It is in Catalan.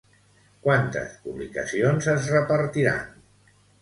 Quantes publicacions es repartiran?